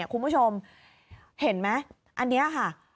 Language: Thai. คุณผู้ชมเห็นไหมอันนี้ค่ะ